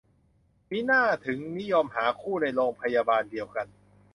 มิน่าถึงนิยมหาคู่ในโรงพยาบาลเดียวกัน